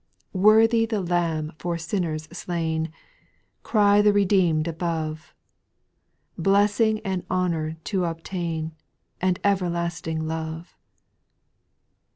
4. Worthy the Lamb for sinners slain I Cry the redeemed above. Blessing and honour to obtain. And everlasting love.